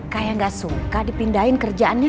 kayak gak suka dipindahin kerjaannya